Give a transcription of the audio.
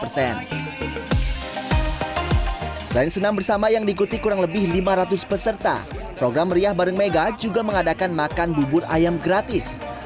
selain senam bersama yang diikuti kurang lebih lima ratus peserta program meriah bareng mega juga mengadakan makan bubur ayam gratis